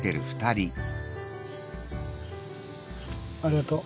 ありがとう。